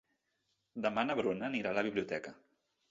Demà na Bruna anirà a la biblioteca.